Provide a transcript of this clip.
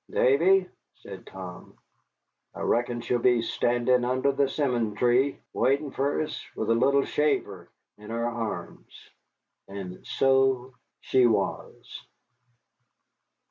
"Davy," said Tom, "I reckon she'll be standin' under the 'simmon tree, waitin' fer us with the little shaver in her arms." And so she was.